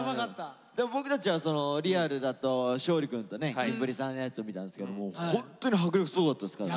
僕たちはリアルだと勝利くんとねキンプリさんのやつを見たんですけどホントに迫力すごかったですからね。